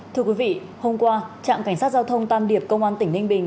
thưa quý vị hôm qua trạm cảnh sát giao thông tam điệp công an tỉnh ninh bình